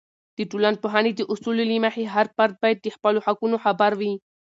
د ټولنپوهنې د اصولو له مخې، هر فرد باید د خپلو حقونو خبر وي.